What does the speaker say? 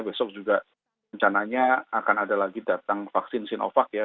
besok juga rencananya akan ada lagi datang vaksin sinovac ya